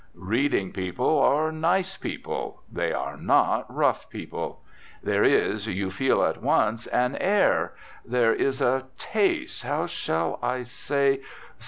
Reading people are nice people; they are not rough people. There is, you feel at once, an air, there is taste how shall I say?